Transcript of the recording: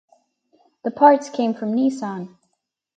The parts came from Nissan.